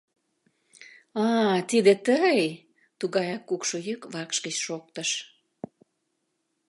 — А, тиде тый! — тугаяк кукшо йӱк вакш гыч шоктыш.